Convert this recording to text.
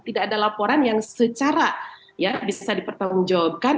tidak ada laporan yang secara bisa dipertanggungjawabkan